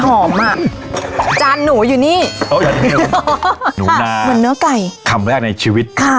หอมอ่ะจานหนูอยู่นี่โอ้ยหนูนาเหมือนเนื้อไก่คำแรกในชีวิตค่ะ